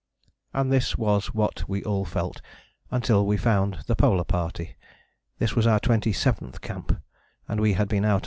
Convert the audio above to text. " And this was what we all felt until we found the Polar Party. This was our twenty seventh camp, and we had been out a month.